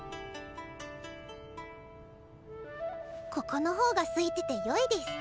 ここの方がすいてて良いです。